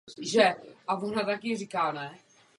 Všemu jsem pečlivě naslouchala.